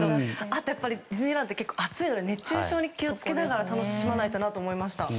あとはディズニーランドって暑いので熱中症に気を付けながら楽しまないとなと思いました。